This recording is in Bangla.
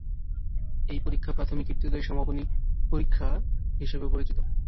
এই পরীক্ষা প্রাথমিক ইবতেদায়ী সমাপনী পরীক্ষা হিসেবে পরিচিত।